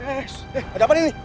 eh ada apa nih